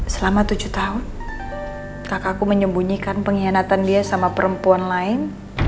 selama tujuh tahun kakakku menyembunyikan pengkhianatan dia sama perempuan lain